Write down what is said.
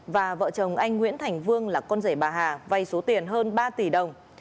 và vợ chồng anh nguyễn thành vương là con rể bà hà vay số tiền hơn ba tỷ đồng